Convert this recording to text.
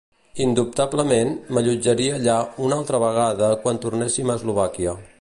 Indubtablement, m'allotjaria allà una altra vegada quan tornéssim a Eslovàquia.